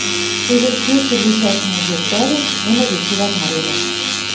Цевер кечӹ лишӓшӹм увертӓрен, нӹнӹ веселӓн мыренӹт.